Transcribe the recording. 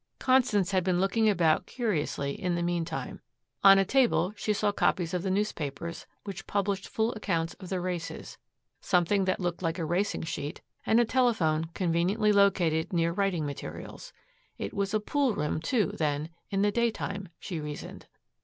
Constance had been looking about curiously in the meantime. On a table she saw copies of the newspapers which published full accounts of the races, something that looked like a racing sheet, and a telephone conveniently located near writing materials. It was a poolroom, too, then, in the daytime, she reasoned.